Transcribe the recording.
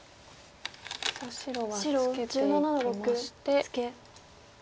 白はツケていきまして。